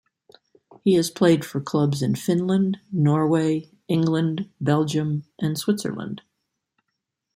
He has played for clubs in Finland, Norway, England, Belgium and Switzerland.